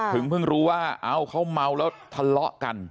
เพิ่งรู้ว่าเอาเขาเมาแล้วทะเลาะกัน